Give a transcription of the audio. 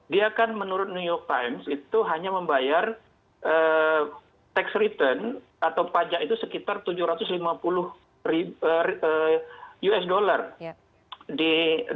dia kan menurut new york times itu hanya membayar tax return atau pajak itu sekitar tujuh ratus lima puluh us dollar di dua ribu sembilan belas dua ribu dua puluh